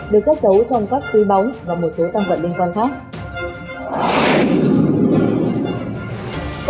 được cất giấu trong các khu bóng và một số tăng quận liên quan khác